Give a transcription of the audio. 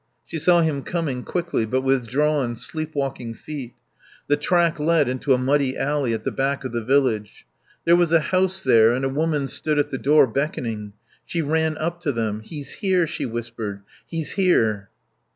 She saw him coming, quickly, but with drawn, sleep walking feet. The track led into a muddy alley at the back of the village. There was a house there and a woman stood at the door, beckoning. She ran up to them. "He's here," she whispered, "he's here."